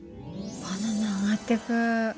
バナナ上がってく。